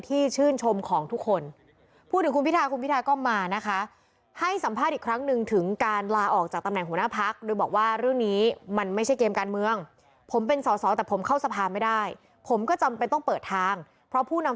เป็นผู้นำฝ่ายค้านผู้นำฝ่ายค้านนะคะซึ่งนายกจริงจริงอ่ะ